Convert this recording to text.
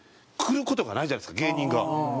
来る事がないじゃないですか芸人が。